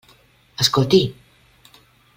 Escolti!